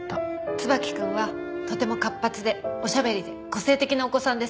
椿君はとても活発でおしゃべりで個性的なお子さんです。